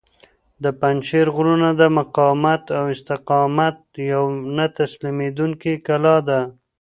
د پنجشېر غرونه د مقاومت او استقامت یوه نه تسلیمیدونکې کلا ده.